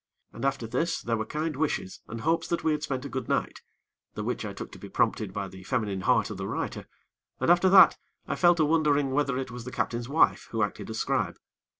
And after this there were kind wishes and hopes that we had spent a good night, the which I took to be prompted by the feminine heart of the writer, and after that I fell to wondering whether it was the captain's wife who acted as scribe.